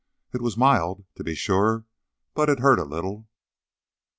It was mild, to be sure, but it hurt a little.